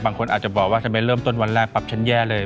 บางคนอาจจะบอกว่าทำไมเริ่มต้นวันแรกปั๊บฉันแย่เลย